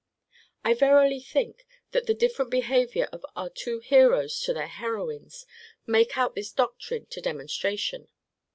I verily think, that the different behaviour of our two heroes to their heroines make out this doctrine to demonstration.